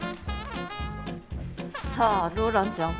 さあローランちゃん